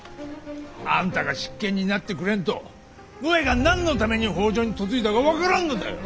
あんたが執権になってくれんとのえが何のために北条に嫁いだか分からんのだよ。